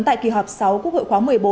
tại kỳ họp sáu quốc hội khóa một mươi bốn